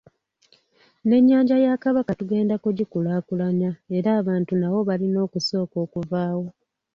N'ennyanja ya Kabaka tugenda kugikulaakulanya era abantu nawo balina okusooka okuvaawo.